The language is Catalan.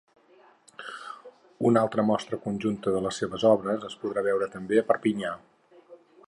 Una altra mostra conjunta de les seves obres es podrà veure també a Perpinyà.